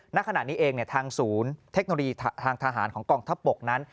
ณขณะนี้เองทางศูนย์เทคโนโลยีทางทหารของกองทัพบกนั้น